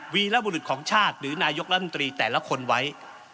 วีรบุรุษของชาติหรือนายกรัฐมนตรีแต่ละคนไว้